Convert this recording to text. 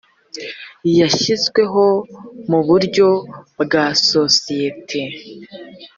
yashyizweho mu buryo bwa sosiyete